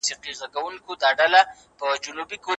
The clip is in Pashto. بزګر هڅه کوي چې خپلې ستونزې هوارې کړي.